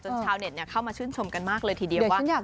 ชาวเน็ตเข้ามาชื่นชมกันมากเลยทีเดียวว่า